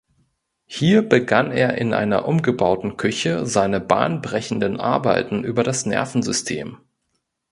Hier begann er in einer umgebauten Küche seine bahnbrechenden Arbeiten über das Nervensystem.